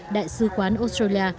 đại sứ quán australia